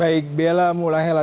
baik bella mulai lah